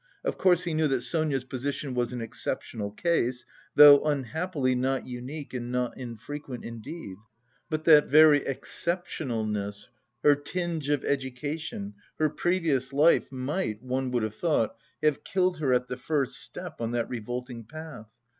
Of course he knew that Sonia's position was an exceptional case, though unhappily not unique and not infrequent, indeed; but that very exceptionalness, her tinge of education, her previous life might, one would have thought, have killed her at the first step on that revolting path.